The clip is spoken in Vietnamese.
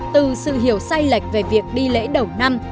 từ sự hiểu sai lệch về việc đi lễ đầu năm